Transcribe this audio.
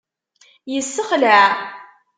Yessexlaɛ!